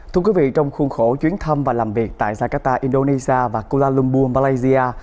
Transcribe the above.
thưa quý vị trong khuôn khổ chuyến thăm và làm việc tại jakarta indonesia và kuala lumpur malaysia